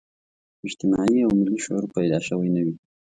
اجتماعي او ملي شعور پیدا شوی نه وي.